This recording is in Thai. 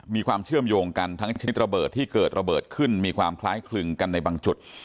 มีความเชื่อมโยงกันทั้งชนิดระเบิดที่เกิดระเบิดขึ้นมีความคล้ายคลึงกันในบางจุด